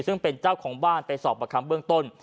ซึ่งเป็นเจ้าของบ้านไปสอบประคำเบื้องต้น